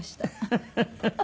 フフフフ。